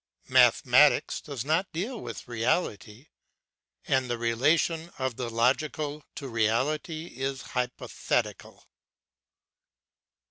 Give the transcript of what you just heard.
Mathematics does not deal with reality, and the relation of the logical to reality is hypothetical.